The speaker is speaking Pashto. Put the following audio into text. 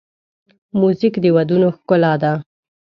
موزیک د ودونو ښکلا ده.